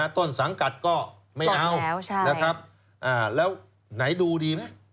ต้นสังกัดก็ไม่เอานะครับแล้วไหนดูดีไหม